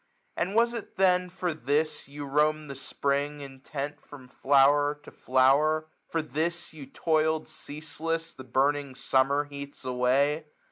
1 181 And was it then for this you roam'd the Spring, Intent from flower to flower f for this you toil'd Ceaseless the burning Summer heats away